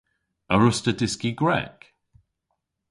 A wruss'ta dyski Grek?